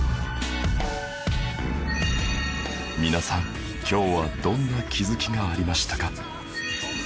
皆さん今日はどんな気付きがありましたか？